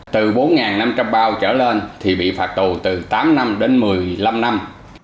từ bốn năm trăm linh bao trở lên thì bị phạt tù từ tám năm đến một mươi năm năm